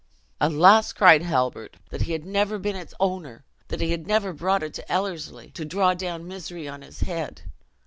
'" "Alas!" cried Halbert, "that he had never been its owner! that he had never brought it to Ellerslie, to draw down misery on his head!